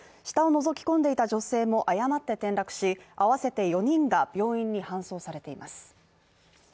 下をのぞき込んでいた女性も誤って転落し、合わせて４人が病院に搬送されています。